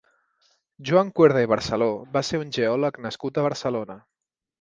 Joan Cuerda i Barceló va ser un geòleg nascut a Barcelona.